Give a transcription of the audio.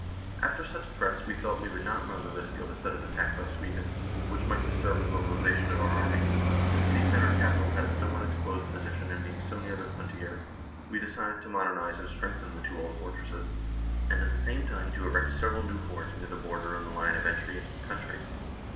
After such threats we thought we would not run the risk of a sudden attack by Sweden, which might dis turb the mobilisation of our army, and seeing that our capital had a somewhat exposed position and being so near the frontier, we decided to modernise and strengthen the two old fortresses, and at the same time to erect several new forts near the border on the line of entry into the country.